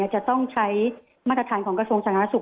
จะต้องใช้มาตรฐานของกระทรวงศาลรัฐศูนย์